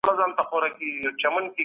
حقوقپوهان چیري د بندیانو حقونه څاري؟